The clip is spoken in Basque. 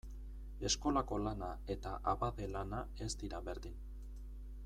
Eskolako lana eta abade lana ez dira berdin.